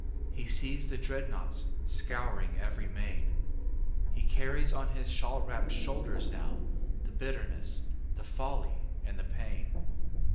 He sees the dreadnaughts scouring every main. He carries on his shawl wrapped shoulders nowThe bitterness, the folly and the pain.